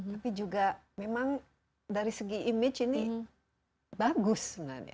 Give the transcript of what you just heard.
tapi juga memang dari segi image ini bagus sebenarnya